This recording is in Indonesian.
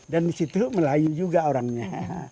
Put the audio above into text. dan di situ melayu juga orangnya